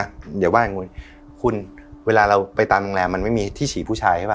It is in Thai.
เดี๋ยวว่าคุณเวลาเราไปตามหลังแรมมันไม่มีที่ฉี่ผู้ชายใช่ปะ